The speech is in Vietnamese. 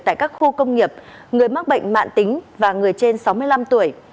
tại các khu công nghiệp người mắc bệnh mạng tính và người trên sáu mươi năm tuổi